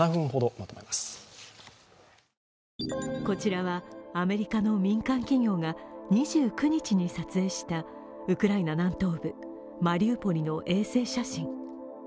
こちらは、アメリカの民間企業が２９日に撮影したウクライナ南東部マリウポリの衛星写真。